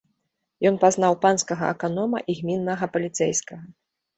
Ён пазнаў панскага аканома і гміннага паліцэйскага.